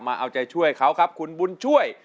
มาเอาใจช่วยเขาครับคุณบุญช่วย